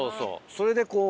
それでこう。